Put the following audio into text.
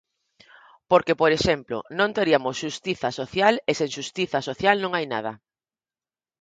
Porque, por exemplo, non teriamos xustiza social, e sen xustiza social non hai nada.